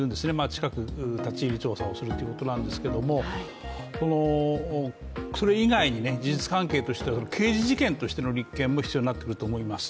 近く立入調査をするということですが、それ以外に事実関係としては刑事事件としての立件も必要になると思います。